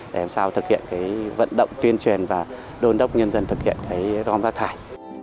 để làm sao thực hiện cái vận động tuyên truyền và đôn đốc nhân dân thực hiện cái rong ra thải